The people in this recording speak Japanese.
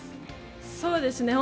そうですね。